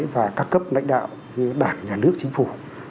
và các cấp lãnh đạo như bảng nhà nước chính phủ